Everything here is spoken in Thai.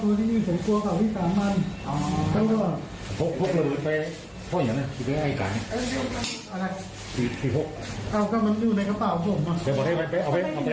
ข้อมุมดูลเอ่อโกรธใช้มากที่สุดอะครับพ่อ